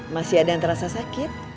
masih ada yang terasa sakit